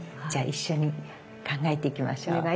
じゃあ一緒に考えていきましょう。